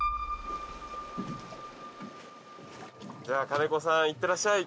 金子さんいってらっしゃい。